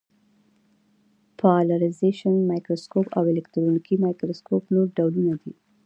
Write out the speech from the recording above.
پالرېزېشن مایکروسکوپ او الکترونیکي مایکروسکوپ نور ډولونه دي.